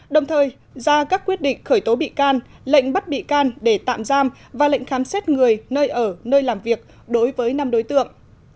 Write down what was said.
đồng thời ra các quyết định khởi tố bị can lệnh bắt bị can để tạm giam và lệnh khám xét người nơi ở nơi làm việc đối với năm đối tượng